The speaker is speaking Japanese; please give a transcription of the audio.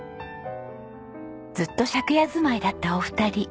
ずっと借家住まいだったお二人。